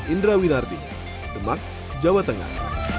indra winardi demak jawa tengah